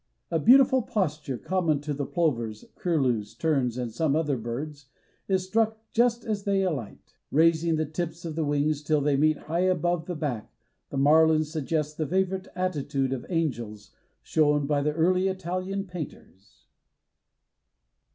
A beautiful posture, common to the plovers, curlews, terns and some other birds, is struck just as they alight. Raising the tips of the wings till they meet high above the back, the marlins suggest the favorite attitude of angels shown by the early Italian painters."